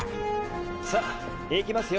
さ行きますよ